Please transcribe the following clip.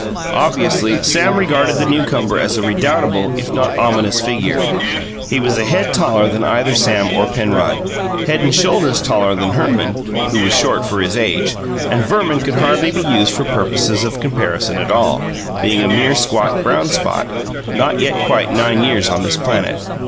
Obviously, Sam regarded the newcomer as a redoubtable if not ominous figure. He was a head taller than either Sam or Penrod; head and shoulders taller than Herman, who was short for his age; and Verman could hardly be used for purposes of comparison at all, being a mere squat brown spot, not yet quite nine years on this planet.